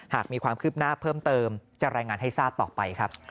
หากมีความคืบหน้าเพิ่มเติมจะรายงานให้ทราบต่อไปครับ